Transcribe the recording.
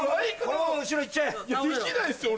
できないっすよ俺。